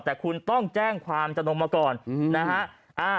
แต่คุณต้องแจ้งความจะลงมาก่อนนะฮะ